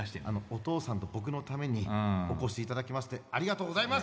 お父さんと僕のためにお越し頂きましてありがとうございます！